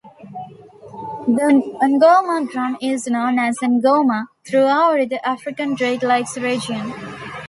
The ngoma drum is known as "engoma" throughout the African Great Lakes region.